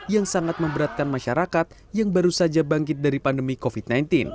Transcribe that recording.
yang sangat memberatkan masyarakat yang baru saja bangkit dari pandemi covid sembilan belas